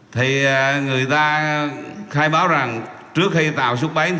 thì người ta khai báo rằng trước khi tàu xuất bến